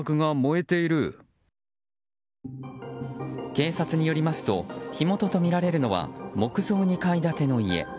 警察によりますと火元とみられるのは木造２階建ての家。